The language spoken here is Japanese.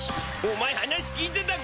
お前話聞いてたか？